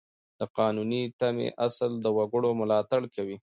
د قانوني تمې اصل د وګړو ملاتړ کوي.